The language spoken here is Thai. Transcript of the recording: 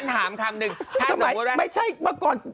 ถ้าสมมุติว่าไม่ใช่เมื่อก่อน